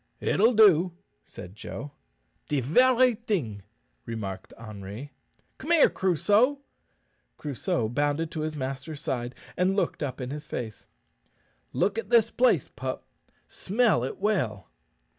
"It'll do," said Joe. "De very ting," remarked Henri. "Come here, Crusoe." Crusoe bounded to his master's side, and looked up in his face. "Look at this place, pup; smell it well."